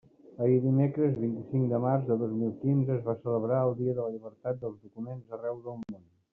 Ahir dimecres vint-i-cinc de març de dos mil quinze es va celebrar el Dia de la Llibertat dels Documents arreu del món.